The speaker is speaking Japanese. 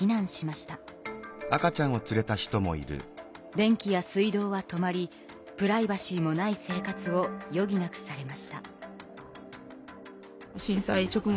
電気や水道は止まりプライバシーもない生活をよぎなくされました。